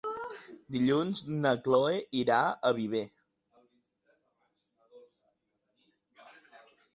Dilluns na Chloé irà a Viver.